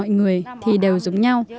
nhưng bà lò thị liên sẽ dùng kim để xăm cầm